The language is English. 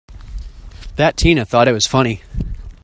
That Tina thought it was funny!